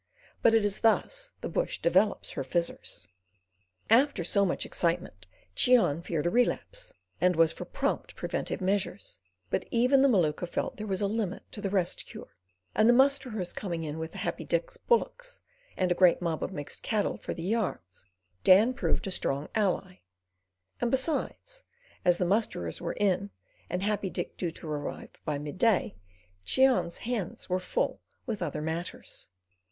But it is thus the bush develops her Fizzers. After so much excitement Cheon feared a relapse, and was for prompt, preventive measures; but even the Maluka felt there was a limit to the Rest Cure, and the musterers coming in with Happy Dick's bullocks and a great mob of mixed cattle for the yards, Dan proved a strong ally; and besides, as the musterers were in and Happy Dick due to arrive by midday, Cheon's hands were full with other matters.